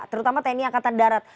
terutama tni angkatan darat